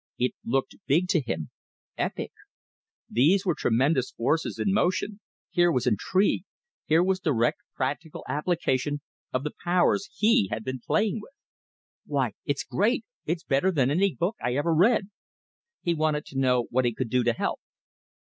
It looked big to him, epic! These were tremendous forces in motion, here was intrigue, here was direct practical application of the powers he had been playing with. "Why, it's great! It's better than any book I ever read!" He wanted to know what he could do to help.